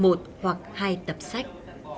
một hoặc hai tập sách